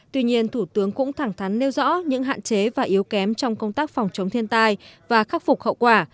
tuy nhiên thủ tướng cũng thẳng thắn nêu rõ những hạn chế và yếu kém trong công tác phòng chống thiên tai và khắc phục hậu quả